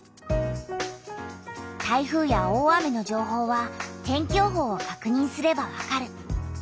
台風や大雨の情報は天気予報をかくにんすればわかる。